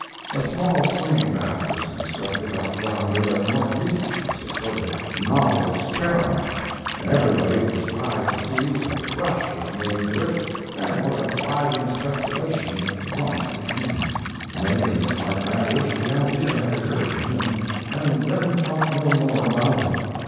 A small swimming bath was constructed out yonder at North Beach, as a sort of novel experiment, and everybody was surprised to see what a rush was made to it and what a thriving speculation it at once became. Many a smart man wished the idea had occurred to him, and then thought no more about it.